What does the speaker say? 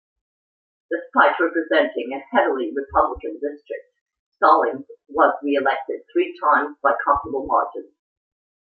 Despite representing a heavily Republican district, Stallings was re-elected three times by comfortable margins.